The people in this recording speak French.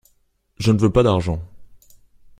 Je ne veux pas d'argent.